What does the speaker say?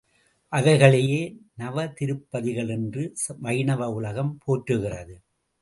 அவைகளையே நவதிருப்பதிகள் என்று வைணவ உலகம் போற்றுகிறது.